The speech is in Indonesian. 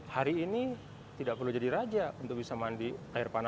hari ini tidak perlu jadi raja untuk bisa mandi air panas